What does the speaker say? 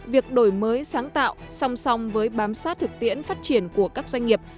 việc đổi mới sáng tạo song song với bám sát thực tiễn phát triển của các doanh nghiệp